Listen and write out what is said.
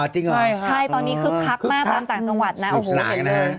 ใช่ตอนนี้คึกคับมาตามต่างจังหวัดนะ